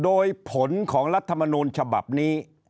โดยผลของรัฐมนูลฉบับนี้